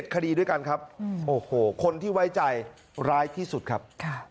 คดีด้วยกันครับโอ้โหคนที่ไว้ใจร้ายที่สุดครับ